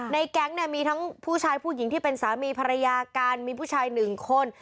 แก๊งเนี่ยมีทั้งผู้ชายผู้หญิงที่เป็นสามีภรรยากันมีผู้ชายหนึ่งคน